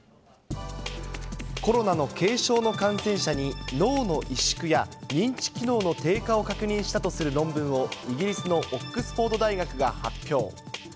コロナの軽症の感染者に、脳の萎縮や認知機能の低下を確認したとする論文をイギリスのオックスフォード大学が発表。